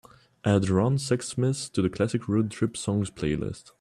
Add ron sexsmith to the classic road trip songs playlist.